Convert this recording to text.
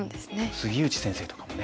杉内先生とかもね。